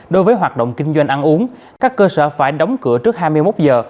đối với hoạt động kinh doanh ăn uống các cơ sở phải đóng cửa trước hai mươi một giờ